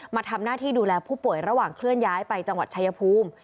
มาทำหน้าที่ดูแลผู้ป่วยระหว่างเคลื่อนย้ายไปจังหวัดชายภูมิ